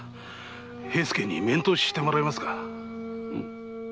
平助に面通ししてもらいますか？